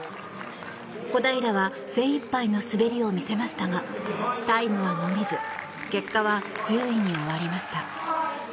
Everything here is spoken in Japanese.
小平は精いっぱいの滑りを見せましたがタイムは伸びず結果は１０位に終わりました。